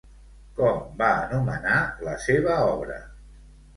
Com va anomenar la seva obra?